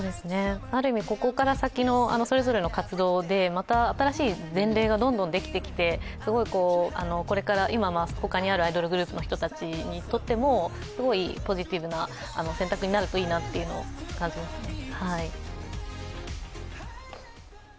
ある意味、ここから先のそれぞれの活動で、また新しい前例がどんどんできてきてこれから、ほかのアイドルグループの皆さんにとってもすごいポジティブな選択になるといいなと感じますね。